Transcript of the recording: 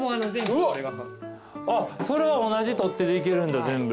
あっそれは同じ取っ手でいけるんだ全部。